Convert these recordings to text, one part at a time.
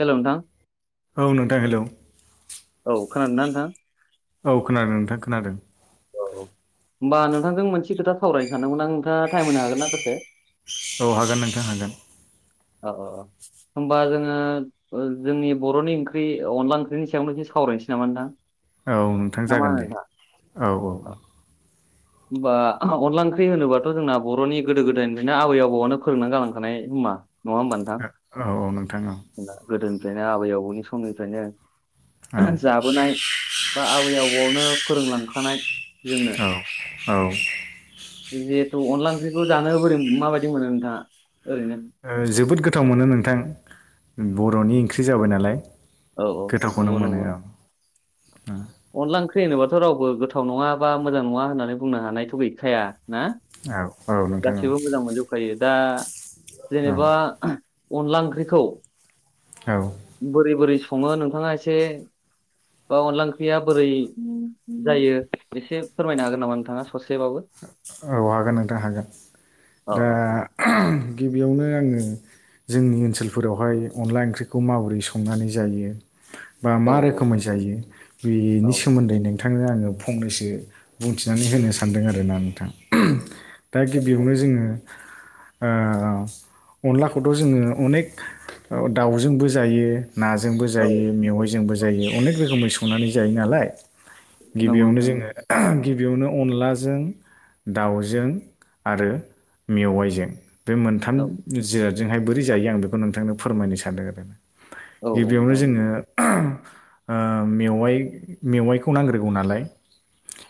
हेल' नोंथां औ नोंथां हेलौ औ खोनादों ना नोंथां औ खोनादों नोंथां खोनादों औ होमबा नोंथांजों मोनसे खोथा सावरायनो सानदोंमोन आं नोंथाङा टाइम होनो हागोन ना दसे औ हागोन नोंथां हागोन औ औ औ होमबा जोङो जोंनि बर'नि ओंख्रि अनला ओंख्रिनि सायावनो एसे सावरायनोसै नामा नोंथां औ नोंथां ना मा जागोन होनो दे नोंथां? औ औ औ होमबा अनदला ओंख्रि होनोबाथ' जोंना बर'नि गोदो गोदायनिफ्रायनो आबै आबौआवनो फोरोंना गालांखानाय हा नङा होमबा औ औ औ नोंथां गोदोनि फ्रायनो आबै आबौनि समनिफ्रायनो औ जाबोनाय बा आबै आबौ न आवनो फोरोंलांखानाय जोंनो औ औ जिहेथु अनदला ओंख्रिखौ जानो बोरै माबायदि मोनो नोंथाङा ओरैनो? जोबोद गोथाव मोनो नोंथां बर'नि ओंख्रि जाबाय नालाय औ औ गोथावखौनो नंगौ मोनो नंगौ औ अनला ओंख्रि नोबाथ' रावबो गोथाव नङा बा मोजां नङा होननानै बुंनो हानायथ' गैखाया ना औ औ नोंथां औ गासैबो मोजां मोनजोबखायो दा औ जेनेबा अनला ओंख्रिखौ औ बोरै बोरै सङो नोंथाङा एसे बा अनला ओंख्रिया बोरै जायो एसे फोरमायनो हागोन नामा नोंथाङा ससेबाबो? औ हागोन नोंथां हागोन अ दा अ गिबियावनो आङो जोंनि ओनसोलफोरावहाय अनला ओंख्रिखौ माबोरै संनानै जायो बा औ मा रोखोमै जायो औ बेनि सोमोन्दै नों नोंथांनो आङो फंनैसो बुंथिनानै होनो सानदों आरोना नोंथां दा औ गिबियावनो जोङो अनलाखौथ' जोङो अनेक दाउजोंबो जायो नाजोंबो औ जायो मेवाइजोंबो जायो अनेक रोखोमै संनानै जायो नालाय नंगौ गिबियावनो नोंथां जोङो गिबियावनो अनलाजों दाउजों आरो मेवाइजों बे मोनथाम औ जिराद जोंहाय बोरै जायो आं बेखौ नोंथांनो फोरमायनो सानदों आरो औ गिबियावनो नोंथां जोङो ओ मेवाइ मेवाइखौ नांग्रोगौ नालाय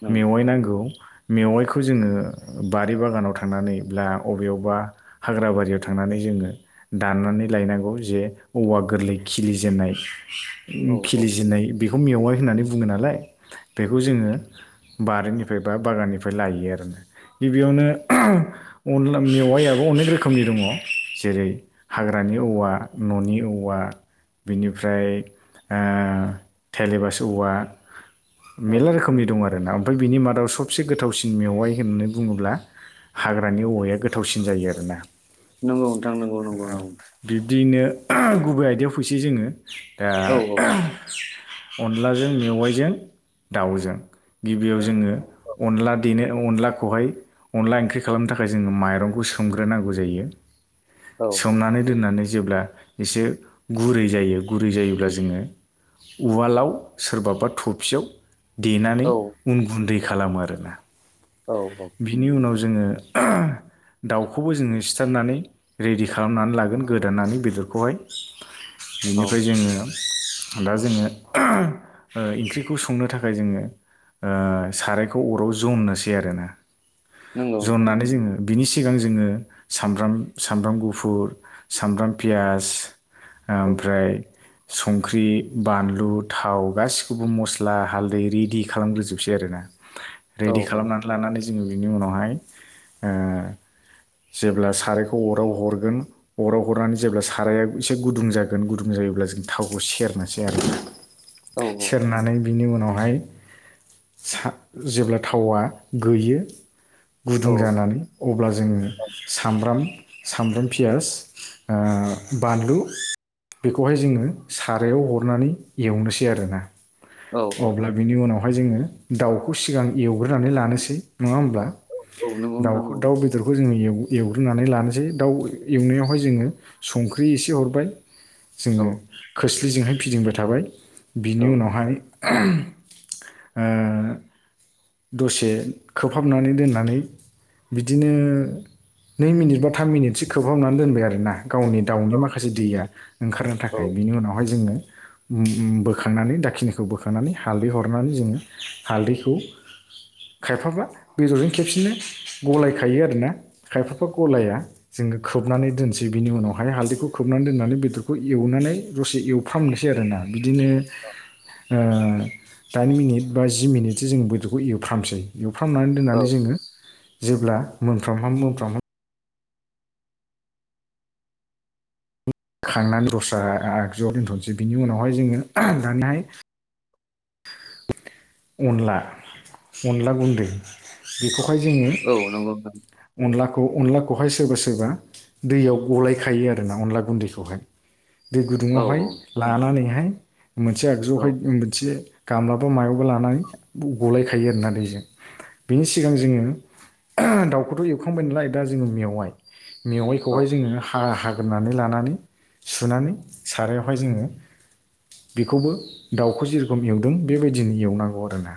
नंगौ मेवाइ औ नांगौ मेवाइखौ जोङो बारि बागानाव थांनानै अबेयावबा हाग्रा बारियाव थांनानै जों जोङो दाननानै लायनांगौ जे औवा गोरलै खिलिजेननाय औ औ खिलिजेनन्नाय बेखौ मेवाय होननानै बुङो नालाय बेखौ जोङो बारिनिफ्राय बा बागाननिफ्राय लायो गिबियावनो अनल मेवायाबो अनेख रोखोमनि दङ जेरै हाग्रानि औवा न'नि औवा बिनिफ्राय ओ थेलेबास औवा। औ मेलला रोखोमनि दं आरो ना ओमफ्राय बिनि मादाव सबसे गोथावसिन मेवाइ होननानै बुंङोब्ला हाग्रानि औवाया गोथावसिन जायो आरोना। नंगौ नोंथां नंगौ नंगौ औ नंगौ बिब्दियैनो ओह गुबै आयदायाव फैसै जोंङो दा औ ओह अनलाजों मेवाइजों दाउजों गिबियाव जोंङो अनला देनो अनलाखौहाय अनला ओंख्रि खालामनो थाखाय जोंङो माइरंखौ सोमग्रोनांगौ जायो। औ सोमनानै दोननानै जेब्ला एसे गुरै जायो गुरै जायोब्ला जोंङो उवालाव सोरबाबा थफियाव देनानै औ उन गुन्दै खालामो आरोना। औ औ बिनि उनाव जोंङो ओह दाउखौबो जोंङो सिथारनानै रेडि खालामनानै लागोन गोदानानै बेदरखौहाय औ बेनिफ्राय जोंङो दा जोंङो ओह इख्रिखौ संनो थाखाय जोंङो ओ सारायखौ अराव जमनोसै आरोना। नंगौ जननानै नोंथां जोंङो बिनि सिगां जोंङो सामब्राम सामब्राम गुफुर सामब्राम पियास ओमफ्राय संख्रि, बानलु थाव गासिखौबो मस्ला हालदै रिडि खालामग्रोजोबसै आरो ना। औ रेडि औ खालामनानै लानानै जोंङो बिनि उनावहाय जेब्ला सारायखौ अराव हरगोन अराव हरनानै जेब्ला साराया एसे गुदुं जागोन गुदुं जाग जायोब्ला जों थावखौ सेरनोसै आरो ना औ सेरनानै। बिनि उनावहाय सा जेब्ला थावा गोयो। गुदुं औ जानानै अब्ला जोंङो सामब्राम सामब्राम पियास ओ बानलु बेखौहाय जोंङो सारायाव हरनानै एवनोसै आरोना औ औ अब्ला बिनि उनावहाय जोंङो दाउखौ सिगां एवग्रोनानै लानोसै। नंङा होमब्ला औ नंगौ नोंथां दाउखौ औ दाउ बेदरखौ जोंङो एव एवग्रोनानै लानोसै दाउ एवनायावहाय जोंङो संख्रि एसे हरबाय। औ जोंङो खोस्लिजोंहाय फिदिंबाय थाबाय बिनि औ उनावहाय। ओहोम ओ दसे खोबहाबनानै दोननानै। बिदिनो नै मिनिट बा थाम मिनिटसो खोबहाबनानै दोनबाय आरोना। गावनि औ दाउनि माखासे दैया ओंखारनो औ थाखाय बिनि उनावहाय जोंङो। बोखांनानै दाखिनिखौ बोखांनानै हालदै हरनानै जोंङो हालदैखौ। खायफाबा। बेदरजों खेबसेनो गलाय खायो आरोना खाय फाबा गलाया जोंङो खोबनानै दोनो। थिग बिनि उनावहाय हालदैखौ खोबनानै दोननानै बेदरखौ एवनानै दसे एवफामनोसै आरो ना। बिदिनो ओ दाइन मिनिट बा जि मिनिटसो जोंङ बेदरखौ एवफ्रामसै एवफ्रामनानै औ दोननानै जोंङो। जेब्ला मोनफ्रामहाम मोनफ्रामहाम खांनानै दस्रा आगजुआव दोनथ'नोसै बिनि उनावहाय जोंङो दानिहाय- अनला अनला गुन्दै बेखौ बेयाव हाय जोंङो औ नंगौ नोंथां अनला खौ अनलाखौहाय सोरबा सोरबा दैयाव गलायखायो आरोना अनला गुन्दैखौहाय। दै औ गुदुंङाव हाय लानानैहाय मोनसे आगजुआवहाय औ मोनसे गामलाबा मायाव लानानै गलायखायो आरोना दैजों बेनि सिगां जोंङो ओह दाउखौथ' एवखांबाय नालाय दा जोंङो मेवाय। औ मेवाइखौहाय जोङो ह हागोनानै लानानै। सुनानै सारायावहाय जोङो बिखौबो दाउखौ जिरखम एवदों बेबायदि नो एवनांगौ आरो ना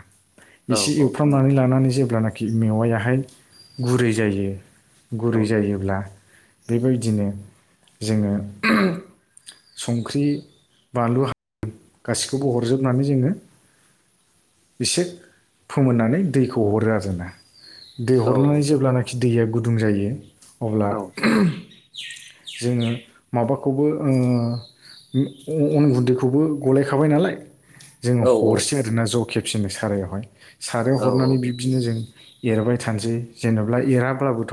औ एसे एवफ्रामनानै लानानैसो जेब्लानाखि मेवायाहाय गुरै जायो औ गुरै जायोब्ला बेबायदिनो जोङो संख्रि बानलु हा गासैखौबो हरजोबनानै जोङो एसे फोमोननानै दैखौ हरो आरो जोंना दै हरनानै जेब्लानाखि दैया गुदुं जायो अब्ला औ जोङो माबाखौबो ओ अन गुन्दैखौबो गलायखाबाय नालाय। जोङो औ हरसै आरोना ज खेबसेनो सारायावहाय सारायाव हरनानै औ बिब्दिनो जों एरबाय थानोसै जेनेबा एराब्लाबोथ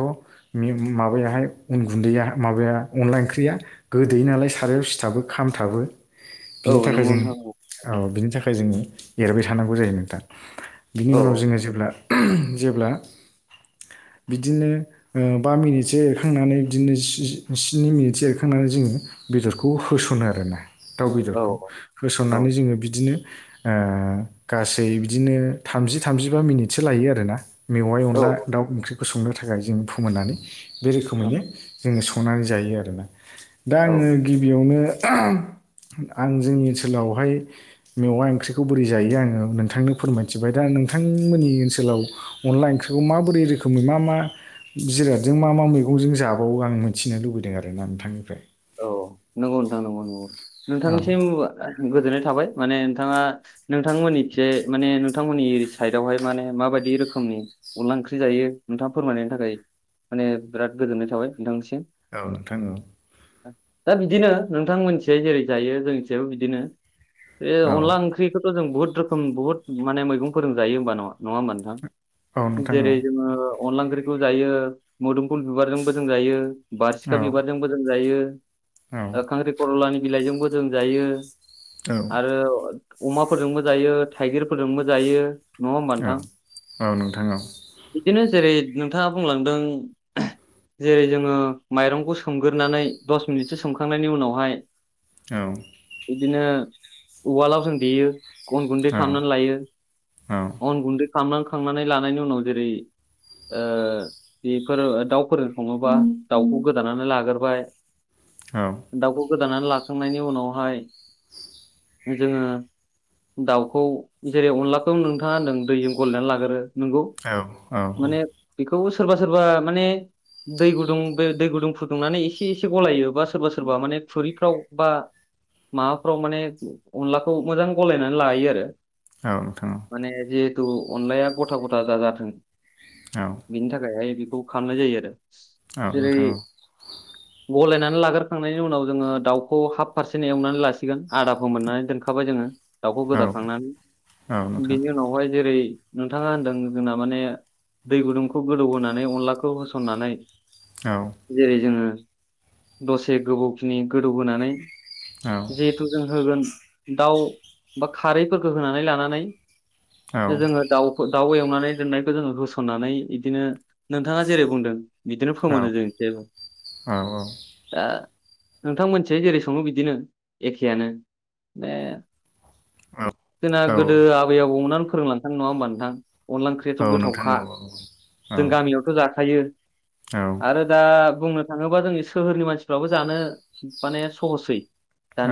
माबायाहाय अन गुन्दैया माबा अनला ओंख्रिया गोदै नालाय सारायाव सिथाबो खामथाबो बिनि औ थाखाय नंगौ जों नोंथां औ औ बिनि थाखाय जोङो एरबाय थानांगौ जायो नोंथां बिनि औ उनाव जोङो जेब्ला जेब्ला [inaudible] बिदिनो ओ बा मिनिटसो एरखांनानै बिदिनो स्नि मिनिटसो एरखांनानै जोङो बेदरखौ होसनो आरोना दाउ औ बेदरखौ औ औ औ होसननानै जोङो बिदिनो ओ गासै बिदिनो थामजि थामजिबा मिनिटसो लायो आरोना मेवाइ नोंथां औ अनला दाउ ओंख्रिखौ संनो थाखाय जों फोमोननानै बे रोखोमैनो जोङो संनानै जायो आरोना। दा आङो औ गिबियावनो आं जोंनि ओनसोलावहाय मेवा ओंख्रिखौ बोरै जायो आङो नोंथांनो फोरमायथिबाय दा नोंथांमोननि ओनसोलाव अनला ओंख्रिखौ मा बोरै रोखोम नि मा मा जिरादजों मा मा मैगंजों जाबावो आं मिथिनो लुबैदों आरो ना नोंथांनिफ्राय औ नंगौ नोंथां नंगौ नंगौ औ नोंथांनिसिम आ गोजोननाय थाबाय माने नोंथाङा नोंथांमोननि खिजाय नोंथांमोननि साइद आवहाय माने माबादि रोखोमनि नि अनला ओंख्रि जायो नोंथाङा फोरमायनायनि थाखाय माने बिराद गोजोननाय थाबाय नोंथांनिसिम। औ नोंथां औ दा बिदिनो नोंथां मोननिथिजाय जेरै जायो जोंनिथिंजायबो बिदिनो बे औ अनला ओंख्रिखौथ जों बुहुद रोखोम बुहुत माने मैगं फोरजों जायो होनबा नङा नङा होमबा औ नोंथां। नोंथां जेरै जोङो अनला ओंख्रिखौ जायो मोदोमफुल बिबारजोंबो जों जायो। बारसिखा औ बिबारजोंबो जों जायो औ ओ खांख्रि खरलानि बिलाइजोंबो जों जायो। औ आरो अमाफोरजोंबो जायो थाइगिरफोरजोंबो जायो। नङा होमबा औ नोंथां औ नोंथां बिदिनो जेरै नोंथाङा बुंलांदों जेरै जोङो माइरंखौ सोमग्रोनानै दस मिनिटसो सोमखांनायनि उनावहाय औ बिदिनो उवालाव जों देयो अन गुन्दै औ नोंथां औ खालामनानै लायो अन गुन्दै खामलां खांनानै लानायनि उनाव जेरै ओ बेफोर दाउफोरजों सङोबा दाउखौ गोदानानै लाग्रोबाय। औ दाउखौ गोदानानै लाखांनायनि उनावहाय जोङो दाउखौ जेरै अनलाखौ नोंथाङा नों दैजों गलायनानै लागोरो। नोंगौ माने बि खौ सोरबा सोरबा माने दै गुदुं बे दै गुदुं फुदुंनानै एसे एसे एसे गलायो बा सोरबा सोरबा माने खुरिफ्राव बा माबाफ्राव माने अनलाखौ मोजां गलायनानै लायो आरो। औ नोंथा औ जिथु अनलाया गथा गथा दाजाथों बिक्षनि थाखायहाय बेखौ खालामनाय जायो आरो औ जेरै नोंथां औ गलायनानै लाग्रोखांनायनि उनाव जोङो दाउखौ हाफ पारसेन्ट एवनानै लासिगोन आदाखौ मोननानै दोनखाबाय जोङो दाउखौ गोदाखांनानै बेनि उनावहाय जेरै- नोंथाङा होनदों जोंना माने दै गुदुंखौ गोदौ होनानै अनलाखौ होसननानै जेरै जोङो दसे गोबौखिनि गोदौहोनानै औ जिहेथु जों होगोन दाउ बा खारैफोरखौ होनानै लानानै जोङो दाउफो दाउ एवनानै दोननायखौ जोङो होसननानै इदिनो नोंथाङा जेरै बुंदों। बिदिनो फोमोनो जों जेबो औ औ नोंथांथिंजाय जेरै सङो बिदिनो एखेयानो बे औ जोंना औ गोदो आबै आबौ मोनानो फोरों लांखानाय नङा होमबा नोंथां? अनला ओंख्रियाथ' औ नोंथां गोथावखा औ औ जों गामियावथ' जाथ' खायो औ आरो दा बुंनो थाङोबा जोंनि सोहोरनि मानसिफ्राबो जानो माने सहसै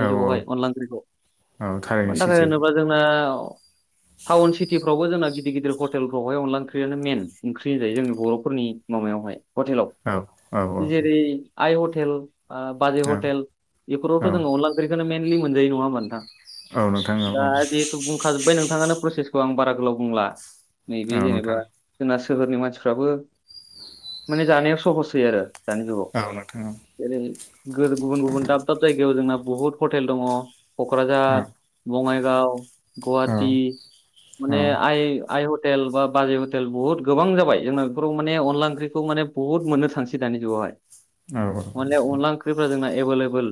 औ जुगावहाय अनला ओंख्रिखौ औ मानि थारैनो थाखाय सैथो होनोबा जोंना टाउन सिटिफ्रावबो जोंना गिदिर गिदिर हटेलफ्रावहाय अनला ओंख्रियानो मेन ओंख्रि जायो जोंनि बर'फोरनि माबायावहाय हटेलाव औ औ जेरै आइ हटेल ओ बाजै औ हटेल औ बेफोरावथ' जोंङो अनला ओंख्रिखोनो मेन दि मोनाजायो नंआ होनबा नोंथां औ नोंथां औ दा औ जिहेथु बुंखाजोब्बाय नोंथाङानो प्रसेसखौ आं बारा गोलाव बुंला औ नैबे जेनेबा नोंथां जोंना सोहोरनि मानसिफ्राबो माने जानायाव सहस होयो आरो दानि जुगाव औ नोंथां औ जेरै गुबुन गुबुन दाब दाब जायगायाव जोंना बुहुत हटेल दङ। क'क्राझार बङाइगाव गुवाहाटि माने आइ आइ ह हटेल बा बाजै हटेल बहुत गोबां जाबाय जोंना बेफोराव माने अनला ओंख्रिखौ माने बहुट मोननो थांसिगोन। दानि जुगावहाय अनला अनला ओंख्रिफ्रा जोंना एबेलेबोल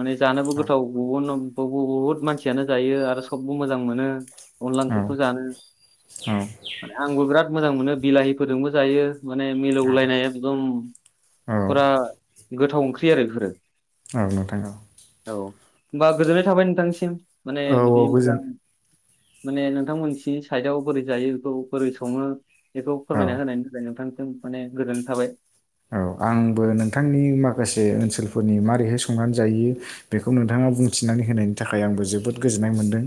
माने जानोबो गोथाव गुबुन बु -हु हु बुहुत मानसियानो जायो आरो सबबो मोजां मोनो। अनला ओंख्रिखौ जानो नोंथां आंबो बिराद मोजां मोनो बिलाहिफोरजोंबो जायो। माने औ मिलौलायनाय एकदम पुरा गोथाव ओंख्रि आरो इफोरो औ नोंथां औ औ ओमबा गोजोननाय थाबाय नोंथांनिसिम माने औ औ बिदि मोजां गोजोन माने नोंथांमोनसि साइदआव बोरै जायो बेखौ बोरै सङो? बेखौ औ फोरमायना होनायनि थाखाय नोंथांसिम माने गोजोननाय थाबाय। औ आंबो नोंथांनि माखासे ओनसोलफोरनि मारैहाय संनानै जायो बेखौ नोंथाङा बुंथिनानै होनायनि थाखाय आंबो जोबोद गोजोननाय मोन्दों।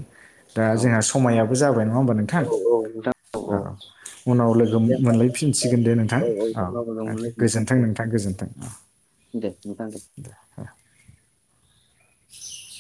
दा औ जोंहा समायाबो जाबाय नङा होमबा नोंथां? औ औ नोंथां औ उनाव लोगो दे होमबा नोंथां औ मोनलायफिनसिगोन दे नोंथां औ उनाव लोगो मोनलायफिनसै गोजोन्थों औ नोंथां गोजोन्थों । दे नोंथां दे